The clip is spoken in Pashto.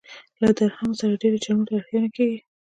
له درهمو سره ډېرو چنو ته اړتیا نه کېږي.